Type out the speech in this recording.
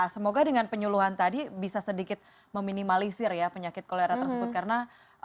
semoga dengan penyuluhan tadi bisa sedikit meminimalisir ya penyakit kolera tersebut karena